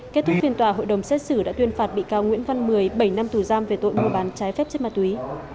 kết thúc phiên tòa hội đồng xét xử đã tuyên phạt bị cáo nguyễn văn mười bảy năm tù giam về tội mua bán trái phép chất ma túy